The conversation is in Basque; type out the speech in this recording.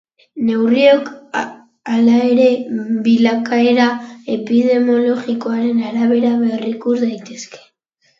Neurriok, halere, bilakaera epidemiologikoaren arabera berrikus daitezke.